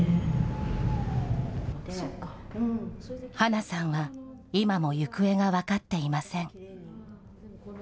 巴那さんは今も行方が分かっていません。